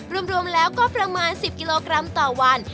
รวมแล้วก็ประมาณ๑๐กิโลกรัมต่อวัน